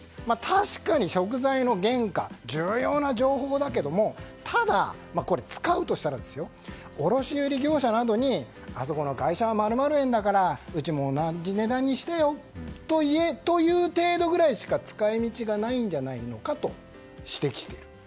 確かに食材の原価重要な情報だけどもただ、これを使うとしたら卸売業者などにあそこの会社は○○円だからうちも同じ値段にしてよと言える程度ぐらいしか使い道がないのではと指摘している。